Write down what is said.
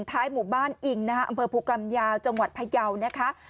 ท้ายหมู่บ้านอิงนะฮะอำเภอภูกรรมยาวจังหวัดพยาวนะคะ